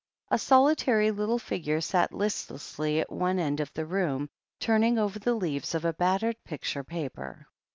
A solitary little figure sat listlessly at one end of the room, turning over the leaves of a battered picture paper.